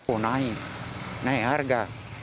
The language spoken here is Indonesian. oh naik naik harga